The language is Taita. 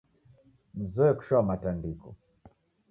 Mzoe kushoamatandiko.